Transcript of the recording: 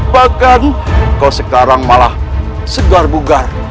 bahkan kau sekarang malah segar bugar